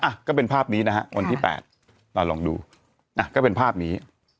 อ่ะก็เป็นภาพนี้นะฮะวันที่แปดลองดูอ่ะก็เป็นภาพนี้